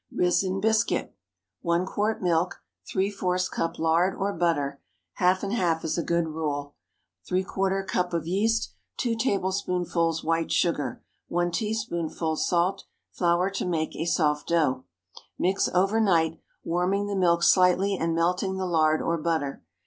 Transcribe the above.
RISEN BISCUIT. ✠ 1 quart milk. ¾ cup lard or butter—half and half is a good rule. ¾ cup of yeast. 2 tablespoonfuls white sugar. 1 teaspoonful salt. Flour to make a soft dough. Mix over night, warming the milk slightly and melting the lard or butter.